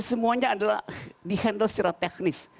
semuanya adalah di handle secara teknis